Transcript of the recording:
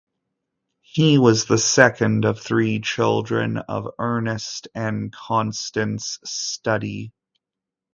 He was the second of three children of Ernest and Constance Studdy.